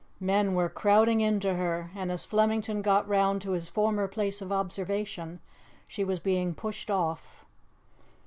Men were crowding into her, and as Flemington got round to his former place of observation she was being pushed off.